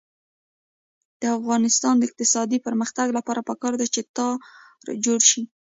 د افغانستان د اقتصادي پرمختګ لپاره پکار ده چې تار جوړ شي.